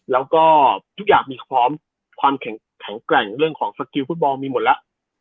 แล้วก็ทุกอย่างมีความแข็งแกร่งเรื่องของสกิลฟุตบอลมีหมดแล้ว